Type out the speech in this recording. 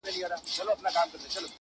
ما یې په جونګړو کي د سترګو غله لیدلي دي؛